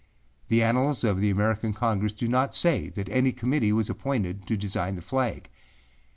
The Annals of the American Congress do not say that any Committee was appointed to design the flag.